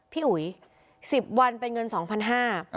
พี่อุ๋ยสิบวันเป็นเงินสองพันห้าอ่า